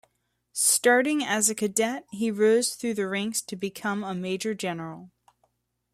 Starting as a cadet, he rose through the ranks to become a Major-General.